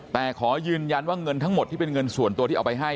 แต่ขอยืนยันว่าเงินทั้งหมดที่เป็นเงินส่วนตัวที่เอาไปให้